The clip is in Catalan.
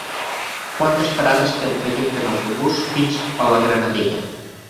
Quantes parades té el trajecte en autobús fins a la Granadella?